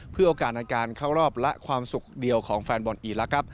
เพื่อโอกาสในการเข้ารอบและความสุขเดียวของแฟนบอลอีลักษณ์ครับ